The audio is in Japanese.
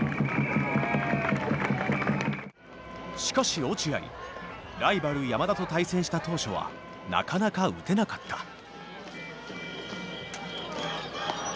しかし落合ライバル山田と対戦した当初はなかなか打てなかった。